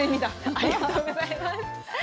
ありがとうございます。